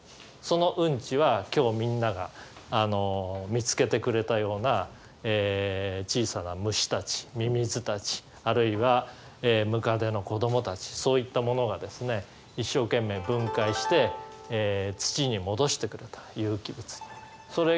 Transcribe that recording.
そのうんちは今日みんなが見つけてくれたような小さな虫たちミミズたちあるいはムカデの子どもたちそういったものがですね一生懸命分解して土に戻してくれた有機物に。